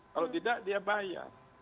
kalau tidak dia bayar